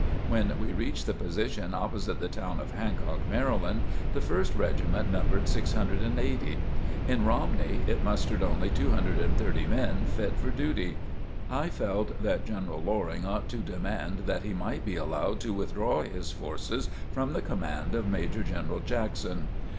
When we reached the position opposite the town of Hancock, Maryland, the First Regiment numbered 680. In Romney, it mustered only 230 men fit for duty. I felt that General Loring ought to demand that he might be allowed to withdraw his forces from the command of Major General Jackson.